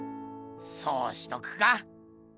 そうしとくか。